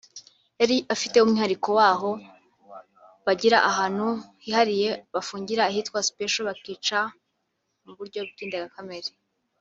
yari ifite umwihariko wayo aho bagiraga ahantu hihariye bafungira hitwa special bakicwa mu buryo bw’indengakamere